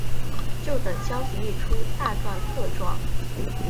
就等消息一出大赚特赚